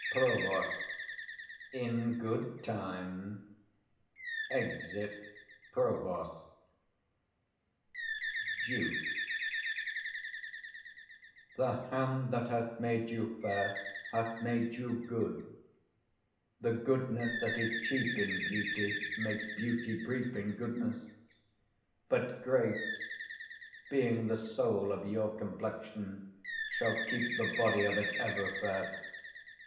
Prov. In good time. [Exit Provost. Isabella comes forward. Duke. The hand that hath made you fair hath made 175 you good: the goodness that is cheap in beauty makes beauty brief in goodness; but grace, being the soul of your complexion, shall keep the body of it ever fair.